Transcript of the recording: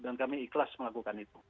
dan kami ikhlas melakukan itu